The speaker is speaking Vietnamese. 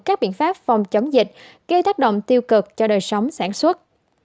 các biện pháp phòng chống dịch gây tác động tiêu cực cho đời sống sản xuất